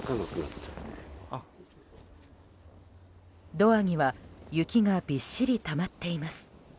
ドアには、雪がびっしりたまっています。